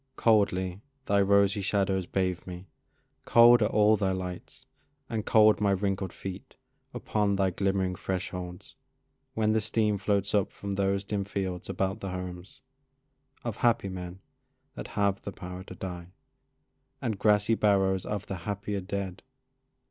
Coldly thy rosy shadows bathe me, cold Are all thy lights, and cold my wrinkled feet Upon thy glimmering thresholds, when the steam Floats up from those dim fields about the homes Of happy men that have the power to die, And grassy barrows of the happier dead.